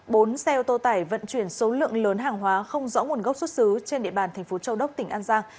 bốn xe ô tô tải vận chuyển số lượng lớn hàng hóa không rõ nguồn gốc xuất xứ trên địa bàn thành phố châu đốc tỉnh an giang